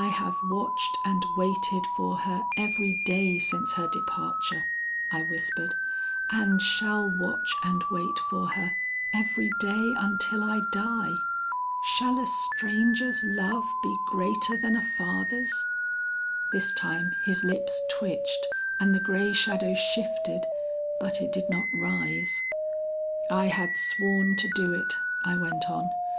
'I have watched and waited for her every day since her departure,' I whispered, 'and shall watch and wait for her, every day until I die. Shall a stranger's love be greater than a father's?' This time his lips twitched and the grey shadow shifted, but it did not rise. 'I had sworn to do it,' I went on.